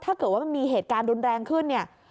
ถ้าเกิดว่ามันมีเหตุการณ์รุนแรงขึ้นเนี่ย